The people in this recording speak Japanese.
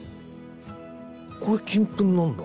これ金粉なんだ。